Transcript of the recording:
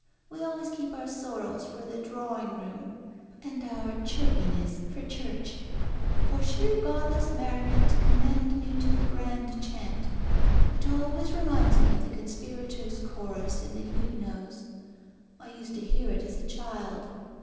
We always keep our sorrows for the drawing room, and our chirpiness for church. For sheer godless merriment commend me to the grand chant. It always reminds me of the conspirators' chorus in the 'Huguenots.' I used to hear it as a child.